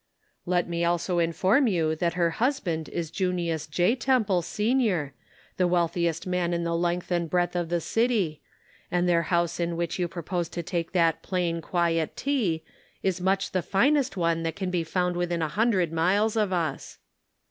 " Let me also inform you that her husband is Junius J. Temple, Sr., the wealthiest man in the length and breadth of the city ; and their house in which you propose to take that 'plain, quiet tea," is much the finest one that can be found within a hundred miles of us."